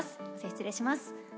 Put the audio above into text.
失礼します。